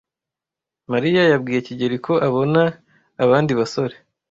Mariya yabwiye kigeli ko abona abandi basore.